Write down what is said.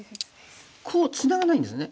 こうツナがないんですね。